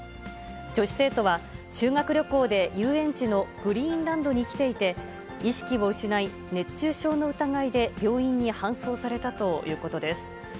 女子生徒は、修学旅行で遊園地のグリーンランドに来ていて、意識を失い、熱中症の疑いで病院に搬送されたということです。